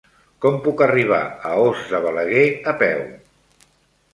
Com puc arribar a Os de Balaguer a peu?